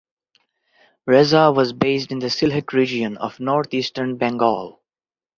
Reza was based in the Sylhet region of northeastern Bengal.